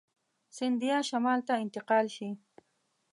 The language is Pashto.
سیندهیا شمال ته انتقال شي.